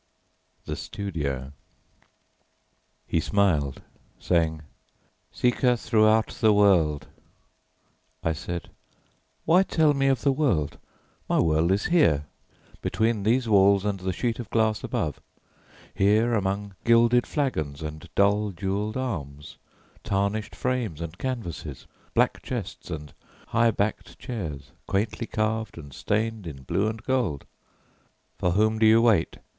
THE STUDIO He smiled, saying, "Seek her throughout the world." I said, "Why tell me of the world? My world is here, between these walls and the sheet of glass above; here among gilded flagons and dull jewelled arms, tarnished frames and canvasses, black chests and high backed chairs, quaintly carved and stained in blue and gold." "For whom do you wait?"